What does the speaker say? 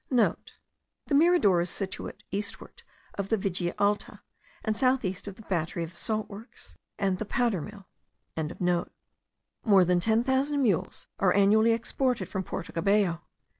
(* The Mirador is situate eastward of the Vigia Alta, and south east of the battery of the salt works and the powder mill.) More than ten thousand mules are annually exported from Porto Cabello.